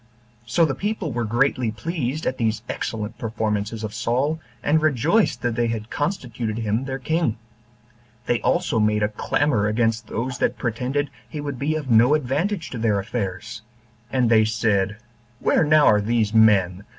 So the people were greatly pleased at these excellent performances of Saul, and rejoiced that they had constituted him their king. They also made a clamor against those that pretended he would be of no advantage to their affairs; and they said, Where now are these men?